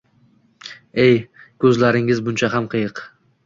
Ey… Ko’zlaring muncha ham qiyiq